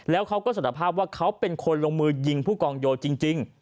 แล้วเขาก็สารภาพว่าเขาเป็นคนลงมือยิงผู้กองโยจริง